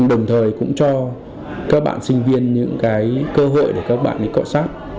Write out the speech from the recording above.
đồng thời cũng cho các bạn sinh viên những cơ hội để các bạn cõi sát